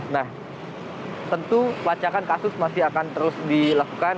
nah tentu pelacakan kasus masih akan terus dilakukan